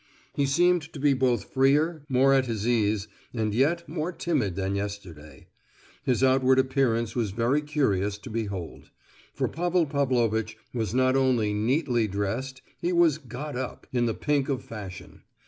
He seemed to be both freer, more at his ease, and yet more timid than yesterday. His outward appearance was very curious to behold; for Pavel Pavlovitch was not only neatly dressed, he was "got up" in the pink of fashion.